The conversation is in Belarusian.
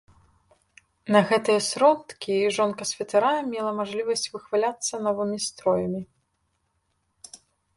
На гэтыя сродкі жонка святара мела мажлівасць выхваляцца новымі строямі.